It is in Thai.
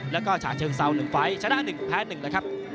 แล้วก็ฉะเชิงเซา๑ไฟล์ชนะ๑แพ้๑แล้วครับ